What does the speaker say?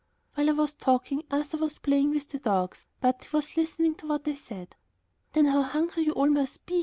While I was talking, Arthur was playing with the dogs, but he was listening to what I said. "Then how hungry you all must be!"